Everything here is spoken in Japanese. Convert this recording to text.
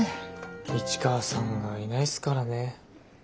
市川さんがいないっすからね。